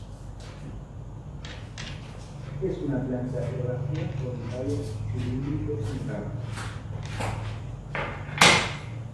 Es una planta herbácea con tallo cilíndrico sin ramas.